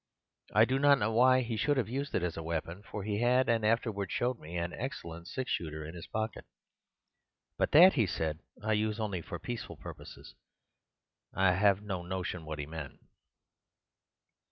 I do not know why he should have used it as a weapon, for he had, and afterwards showed me, an excellent six shooter in his pocket. 'But THAT,' he said, 'I use only for peaceful purposes.' I have no notion what he meant.